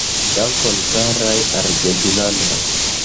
Dankon, karaj argentinanoj.